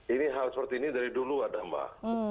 ini hal seperti ini dari dulu ada mbak